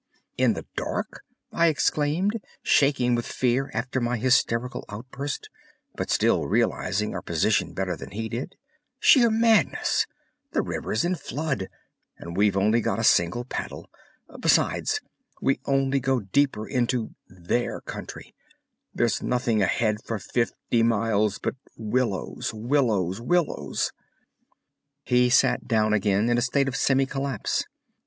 "In the dark?" I exclaimed, shaking with fear after my hysterical outburst, but still realizing our position better than he did. "Sheer madness! The river's in flood, and we've only got a single paddle. Besides, we only go deeper into their country! There's nothing ahead for fifty miles but willows, willows, willows!" He sat down again in a state of semi collapse.